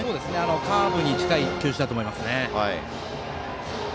カーブに近い球種だと思いますね。